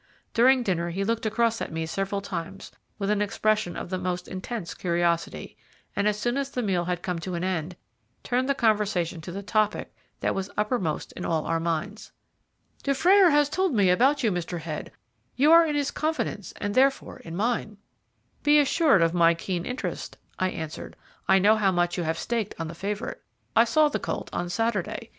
During dinner he looked across at me several times with an expression of the most intense curiosity, and as soon as the meal had come to an end, turned the conversation to the topic that was uppermost in all our minds. "Dufrayer has told me all about you, Mr. Head; you are in his confidence, and therefore in mine." "Be assured of my keen interest," I answered. "I know how much you have staked on the favourite. I saw the colt on Saturday.